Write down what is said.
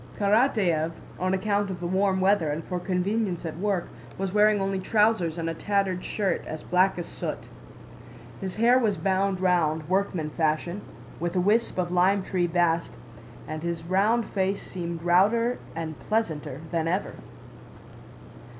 Karatáev, on account of the warm weather and for convenience at work, was wearing only trousers and a tattered shirt as black as soot. His hair was bound round, workman fashion, with a wisp of lime tree bast, and his round face seemed rounder and pleasanter than ever.